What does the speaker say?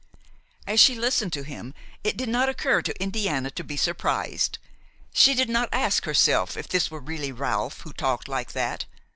As she listened to him, it did not occur to Indiana to be surprised; she did not ask herself if it were really Ralph who talked like that.